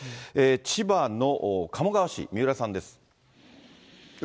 千葉の鴨川市、三浦さんです。